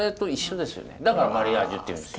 だからマリアージュっていうんです。